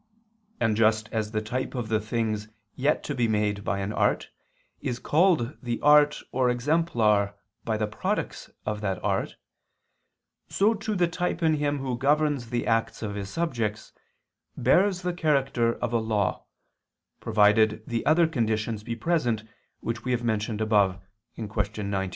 And just as the type of the things yet to be made by an art is called the art or exemplar of the products of that art, so too the type in him who governs the acts of his subjects, bears the character of a law, provided the other conditions be present which we have mentioned above (Q. 90).